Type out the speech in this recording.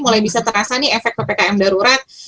mulai bisa terasa nih efek ppkm darurat